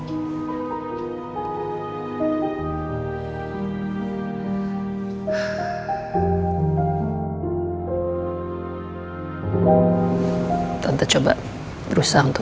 tante coba berusaha untuk